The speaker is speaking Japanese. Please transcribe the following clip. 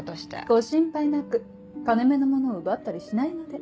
ご心配なく金目のものを奪ったりしないので。